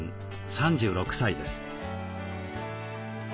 ３６歳です。